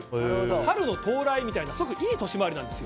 春の到来みたいなすごいいい年回りなんです。